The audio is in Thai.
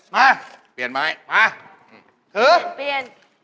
มาเปลี่ยนไม้